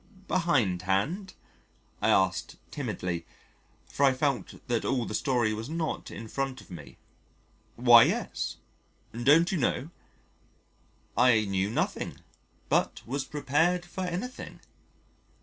"Behindhand?" I asked timidly, for I felt that all the story was not in front of me. "Why, yes. Don't you know?" I knew nothing, but was prepared for anything.